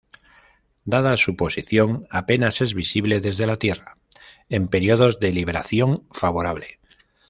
Dada su posición, apenas es visible desde la Tierra en períodos de libración favorable.